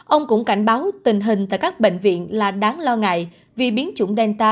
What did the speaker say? ông cũng cảnh báo tình hình tại các bệnh viện là đáng lo ngại vì biến chủng delta